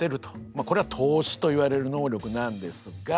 これは透視といわれる能力なんですが。